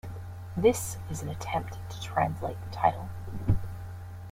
This is an attempt to translate the title.